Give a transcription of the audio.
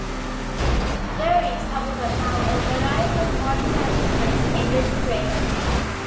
There is, however, now a variety of modern amusements in the square.